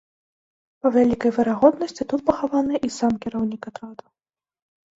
Па вялікай верагоднасці, тут пахаваны і сам кіраўнік атраду.